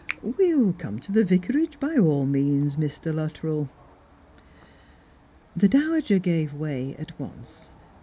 We'll come to the Vicarage, by all meanc, Mr. Luttrell." The dowager gave way at once.